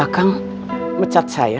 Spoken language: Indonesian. kamu bisa mencari saya